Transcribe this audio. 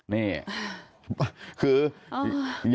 นี่คือ